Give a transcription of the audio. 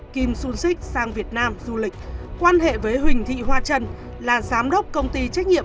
kim sung sik sang việt nam du lịch quan hệ với huỳnh thị hoa trân là giám đốc công ty trách nhiệm